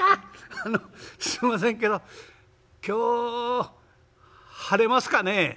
「あのすいませんけど今日晴れますかね？」。